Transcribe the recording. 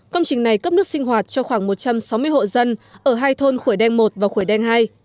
công trình này cấp nước sinh hoạt cho khoảng một trăm sáu mươi hộ dân ở hai thôn khuổi đen một và khuổi đen hai